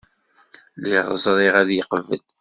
Lliɣ ẓriɣ ad yeqbel.